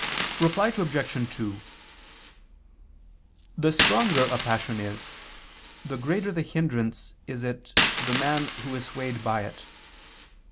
Reply Obj. 2: The stronger a passion is, the greater the hindrance is it to the man who is swayed by it.